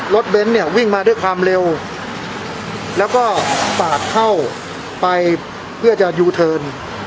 เบ้นเนี่ยวิ่งมาด้วยความเร็วแล้วก็ปาดเข้าไปเพื่อจะยูเทิร์น